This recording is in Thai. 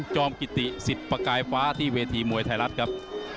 อมกิติสิทธิ์ประกายฟ้าที่เวทีมวยไทยรัฐครับ